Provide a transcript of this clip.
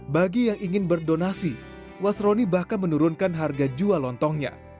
bagi yang ingin berdonasi wasroni bahkan menurunkan harga jual lontongnya